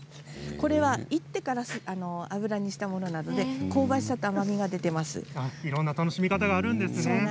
これはいってから油にしたものなので香ばしさといろいろな楽しみ方があるんですね。